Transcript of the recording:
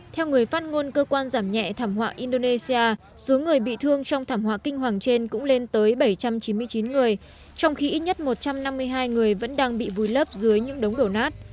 theo người phát ngôn cơ quan giảm nhẹ thảm họa indonesia số người bị thương trong thảm họa kinh hoàng trên cũng lên tới bảy trăm chín mươi chín người trong khi ít nhất một trăm năm mươi hai người vẫn đang bị vùi lấp dưới những đống đổ nát